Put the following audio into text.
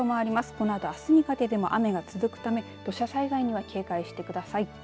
このあと、あすにかけても雨が続くため土砂災害には警戒してください。